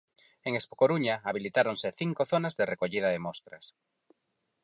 En Expocoruña habilitáronse cinco zonas de recollida de mostras.